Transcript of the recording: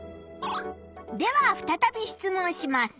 ではふたたび質問します。